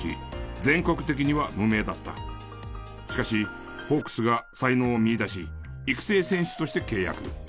しかしホークスが才能を見いだし育成選手として契約。